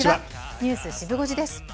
ニュースシブ５時です。